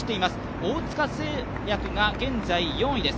大塚製薬が現在４位です。